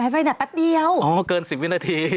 ไฟหนักแป๊บเดียวอ๋อเกิน๑๐วินาที